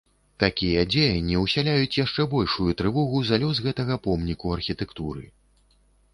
Такія дзеянні ўсяляюць яшчэ большую трывогу за лёс гэтага помніку архітэктуры.